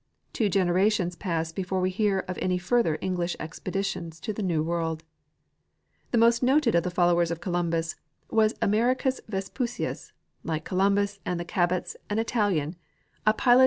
Two generations pass before we hear of any further English expeditions to the new world. The most noted of the folloAvers of Columbus was Americus Vespucius, like Columbus and the Cabots an Italian, a pilot 2— Nat.